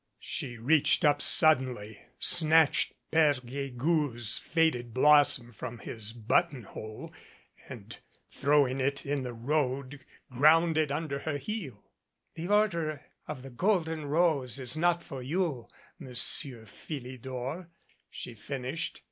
She reached up sud denly, snatched Pere Guegou's faded blossom from his button hole and throwing it in the road, ground it under her heel. "The Order of the Golden Rose is not for you, Monsieur Philidor," she finished.